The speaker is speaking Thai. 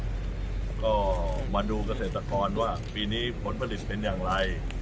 แล้วก็มาดูเกษตรกรว่าปีนี้ผลผลิตเป็นอย่างไร